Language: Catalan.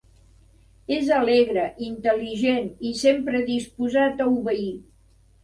És alegre, intel·ligent i sempre disposat a obeir.